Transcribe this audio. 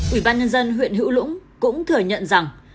ủy ban nhân dân huyện hữu lũng cũng thừa nhận rằng